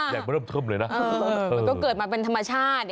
เริ่มเทิมเลยนะมันก็เกิดมาเป็นธรรมชาติ